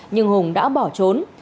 nhưng hùng đã bỏ trốn